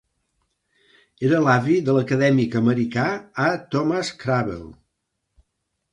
Era l'avi de l'acadèmic americà A.Thomas Kraabel.